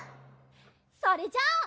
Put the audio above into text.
それじゃあ。